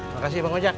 makasih bang hoja